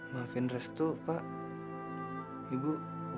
maafin restu pak ibu